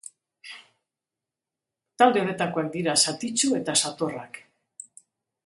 Talde honetakoak dira satitsu eta satorrak.